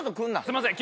すいません。